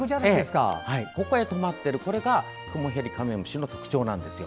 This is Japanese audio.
ここへ止まってるこれがクモヘリカメムシの特徴なんです。